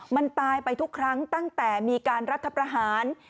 มันตายไปทุกครั้งตั้งแต่มีการรัฐประหาร